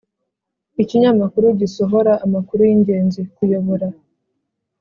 ikinyamakuru gisohora amakuru yingenzi. _kuyobora